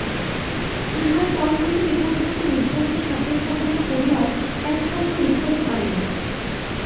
ইহার পর হইতে এ পর্যন্ত নিঝরকে সাধ্যসাধনা করিয়াও এক ছত্র লিখাইতে পারি নাই।